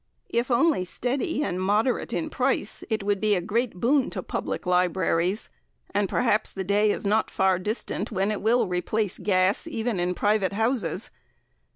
If only steady and moderate in price, it would be a great boon to public libraries, and perhaps the day is not far distant when it will replace gas, even in private houses.